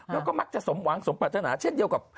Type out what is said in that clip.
แล้วก็มักจะสมหวังสมปรัฐนาเช่นเดียวกับ